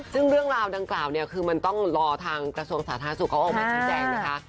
ซึ่งเรื่องราวดังกล่าวเนี่ยคือมันต้องรอทางกระทรวงสาธารณสุขเขาออกมาชี้แจงนะคะ